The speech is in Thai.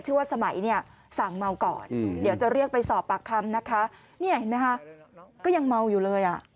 ว่าสมัยเนี่ยสั่งเมาก่อนเดี๋ยวจะเรียกไปสอบปากคำนะคะเนี่ยเห็นไหมคะก็ยังเมาอยู่เลยอ่ะ